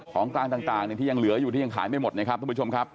ของกลางต่างที่ยังเหลืออยู่ที่ยังขายไม่หมดนะครับทุกผู้ชมครับ